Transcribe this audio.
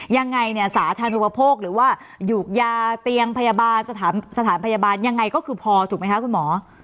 ยังไงเนี่ยสาธารณูปโภคหรือว่าหยูกยาเตียงพยาบาลสถานพยาบาลยังไงก็คือพอถูกไหมคะคุณหมอ